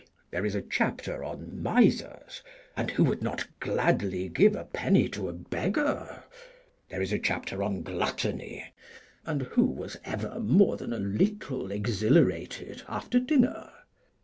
There is a chapter on Misers, and who would not gladly give a penny to a beggar? There is a chapter on Gluttony, and who was ever more than a little exhilarated after dinner?